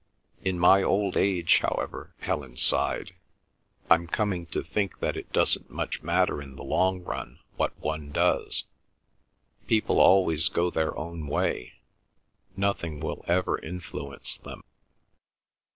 "In my old age, however," Helen sighed, "I'm coming to think that it doesn't much matter in the long run what one does: people always go their own way—nothing will ever influence them."